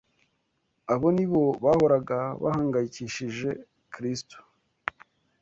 Abo ni bo bahoraga bahangayikishije Kristo,